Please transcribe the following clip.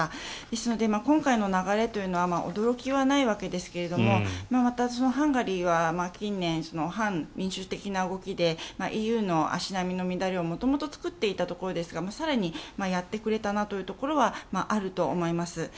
ですので今回の流れというのは驚きはないわけですがハンガリーは近年反民主的な動きでＥＵの足並みの乱れを元々作っていたところですが更に、やってくれたなというところはあると思います。